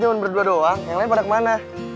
cuma berdua doang yang lain pada kemana